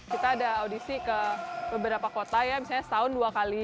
kita ada audisi ke beberapa kota ya misalnya setahun dua kali